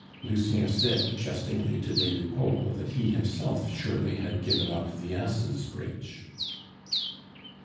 Lucien said jestingly to des Lupeaulx that he himself, surely, had given up the Asses' Bridge.